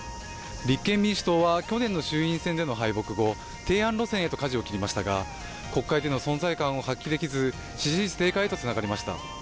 立憲民主党は去年の衆院選での敗北後提案路線へとかじを切りましたが国会での存在感を発揮できず、支持率低下へとつながりました。